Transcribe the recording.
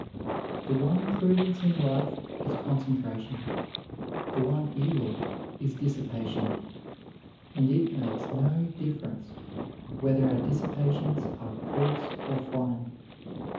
The one prudence in life is concentration; the one evil is dissipation; and it makes no difference whether our dissipations are coarse or fine.